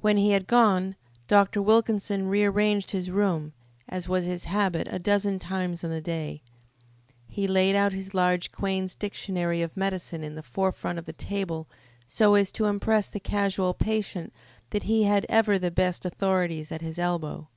When he had gone Dr. Wilkinson rearranged his room, as was his habit a dozen times in the day. He laid out his large Quain's Dictionary of Medicine in the forefront of the table so as to impress the casual patient that he had ever the best authorities at his elbow.